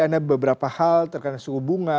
ada beberapa hal terkait suku bunga